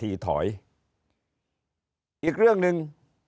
ถอยอีกเรื่องหนึ่ง